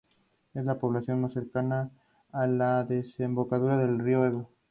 Pese a ello, el álbum nunca fue lanzado en el país.